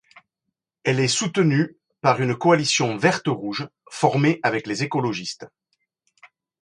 Elle est soutenu par une coalition verte-rouge, formée avec les écologistes.